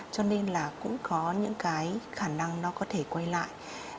cho nên là cũng có những cái khả năng nó có thể quay lại